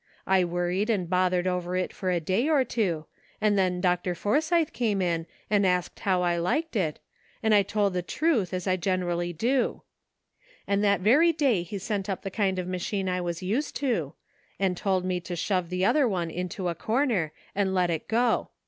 I worried and bothered over it for a day or two, and then Dr. Forsythe came in and asked how I liked it, and I told the truth, as I generally do ; and that very day he sent up the kind of machine I was used to, and told me to shove the other one into a cor ner and let it go.